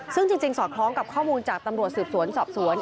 ซึ่งจริงสอดคล้องกับข้อมูลจากตำรวจสืบสวนสอบสวน